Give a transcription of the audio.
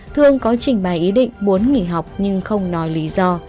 thường có trình bài ý định muốn nghỉ học nhưng không nói lý do